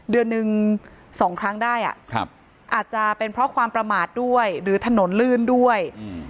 เดือนหนึ่ง๒ครั้งได้อาจจะเป็นเพราะความประมาทด้วยหรือถนนลื่นด้วย